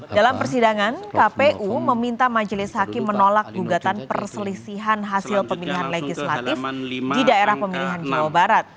dalam persidangan kpu meminta majelis hakim menolak gugatan perselisihan hasil pemilihan legislatif di daerah pemilihan jawa barat